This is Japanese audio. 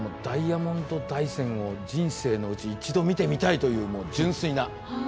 ダイヤモンド大山を人生のうち一度見てみたいというもう純粋な。